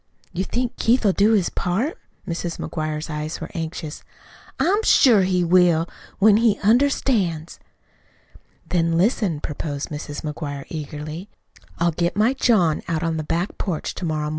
"You think Keith'll do his part?" Mrs. McGuire's eyes were anxious. "I'm sure he will when he understands." "Then listen," proposed Mrs. McGuire eagerly. "I'll get my John out on to the back porch to morrow mornin'.